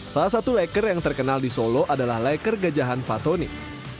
salah satu leker yang terkenal di solo adalah laker gajahan fatonik